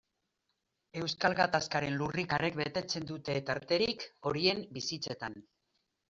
Euskal Gatazkaren lurrikarek betetzen dute tarterik horien bizitzetan.